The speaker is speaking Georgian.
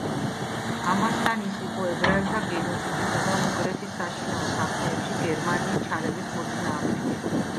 ამასთან, ის იყო ებრაელთა გენოციდის და უნგრეთის საშინაო საქმეებში გერმანიის ჩარევის მოწინააღმდეგე.